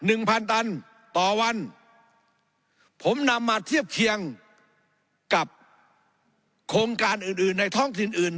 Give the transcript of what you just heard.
หนึ่งพันตันต่อวันผมนำมาเทียบเคียงกับโครงการอื่นอื่นในท้องถิ่นอื่น